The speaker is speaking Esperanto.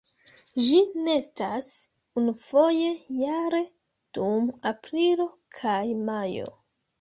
Ĝi nestas unufoje jare dum aprilo kaj majo.